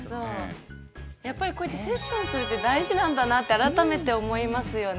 やっぱりこうやってセッションするって大事なんだなって改めて思いますよね。